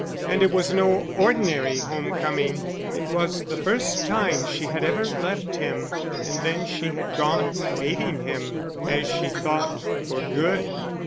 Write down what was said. And it was no ordinary home coming; it was the first time she had ever left him; and then she had gone, hating him, as she thought, for good.